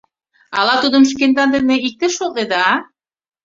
Ала тудым шкендан дене иктеш шотледа, а?